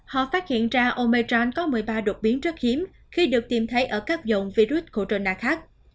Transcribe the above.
họ phát hiện ra omejan có một mươi ba đột biến rất hiếm khi được tìm thấy ở các dòng virus corona khác